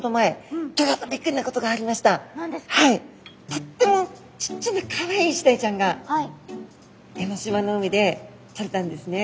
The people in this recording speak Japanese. とってもちっちゃなかわいいイシダイちゃんが江の島の海でとれたんですね。